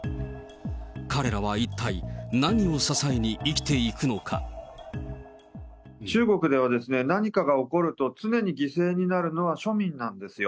彼らは一体、中国では、何かが起こると常に犠牲になるのは庶民なんですよ。